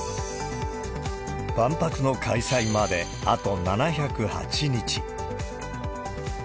万博の開催まであと７０８日。